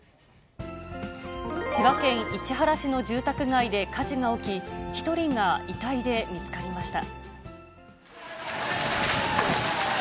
千葉県市原市の住宅街で火事が起き、１人が遺体で見つかりました。